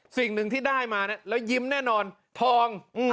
สิ่งหนึ่งที่ได้มาแล้วยิ้มแน่นอนทอง